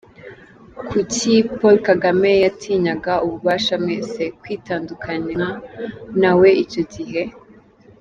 d.kuki Paul Kagame yatinyanga ubabasha wese kwitandukanya nawe icyo gihe?